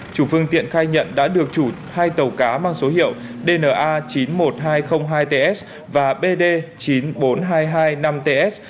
chủ phương tiện khai nhận đã được chủ hai tàu cá mang số hiệu dna chín mươi một nghìn hai trăm linh hai ts và bd chín mươi bốn nghìn hai trăm hai mươi năm ts